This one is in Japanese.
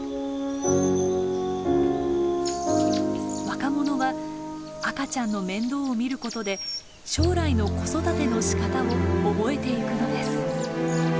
若者は赤ちゃんの面倒を見ることで将来の子育てのしかたを覚えていくのです。